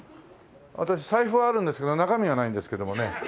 私財布はあるんですけど中身がないんですけどもね。